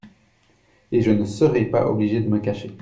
Et je ne serai pas obligé de me cacher ?…